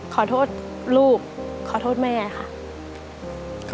ขอโทษลูกขอโทษแม่ค่ะ